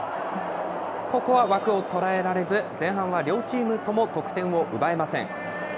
ここは枠を捉えられず、前半は両チームとも得点を奪えません。